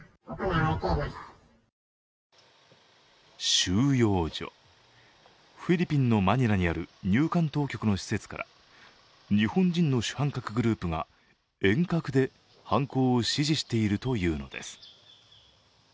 収容所、フィリピンのマニラにある入管当局の施設から日本人の主犯格グループが遠隔で犯行を指示しているというのです。